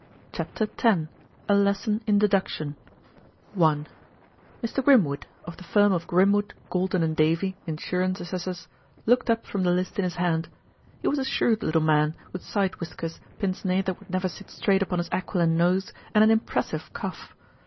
CHAPTER X A LESSON IN DEDUCTION I Mr. Grimwood, of the firm of Grimwood, Galton & Davy, insurance assessors, looked up from the list in his hand. He was a shrewd little man, with side whiskers, pince nez that would never sit straight upon his aquiline nose, and an impressive cough.